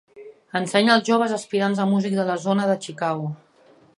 Ensenya els joves aspirants a músic de la zona de Chicago.